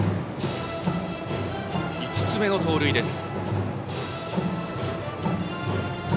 ５つ目の盗塁です。